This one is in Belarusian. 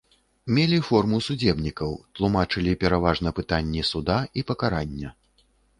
Мелі форму судзебнікаў, тлумачылі пераважна пытанні суда і пакарання.